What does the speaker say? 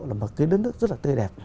là một đất nước rất là tươi đẹp